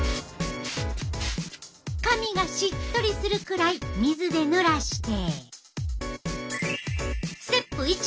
髪がしっとりするくらい水でぬらして。